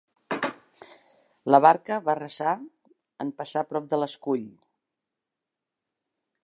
La barca va rasar en passar prop de l'escull.